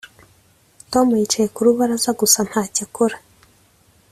tom yicaye ku rubaraza gusa, ntacyo akora.